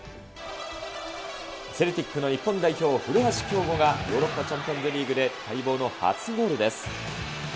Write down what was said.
セルティックの日本代表、古橋きょうごがヨーロッパチャンピオンズリーグで、待望の初ゴールです。